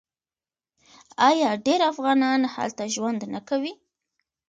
آیا ډیر افغانان هلته ژوند نه کوي؟